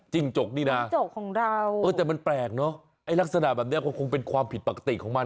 จกนี่นะจิ้งจกของเราเออแต่มันแปลกเนอะไอ้ลักษณะแบบนี้ก็คงเป็นความผิดปกติของมัน